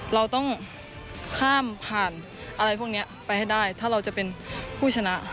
เราต้องข้ามผ่านอะไรพวกนี้ไปให้ได้ถ้าเราจะเป็นผู้ชนะ